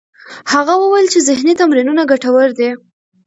هغه وویل چې ذهنې تمرینونه ګټور دي.